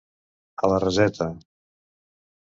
A la raseta.